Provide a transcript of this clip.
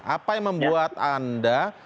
apa yang membuat anda